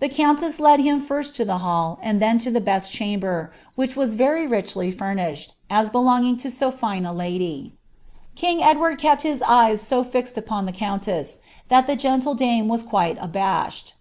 The counteea led hiin fim to the hall, iri then to the best chamber, which was very richly rumiahed, u bdaa|n4 lo au fine a lady. King Edward kept his eyea so filed upon the eonflWit that the gentle ilanie wae ituite abashed.